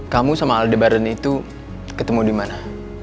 kamu sama aldebaran itu ketemu dimana